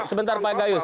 sebentar pak gayus